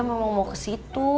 memang mau kesitu